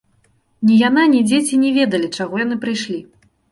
Ні яна, ні дзеці не ведалі, чаго яны прыйшлі.